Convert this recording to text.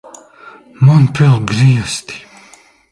Man pil griesti!